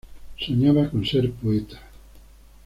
Soñaba con ser poeta.